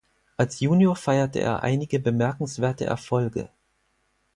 Als Junior feierte er einige bemerkenswerte Erfolge.